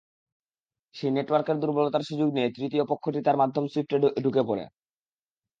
সেই নেটওয়ার্কের দুর্বলতার সুযোগ নিয়ে তৃতীয় পক্ষটি তার মাধ্যমে সুইফটে ঢুকে পড়ে।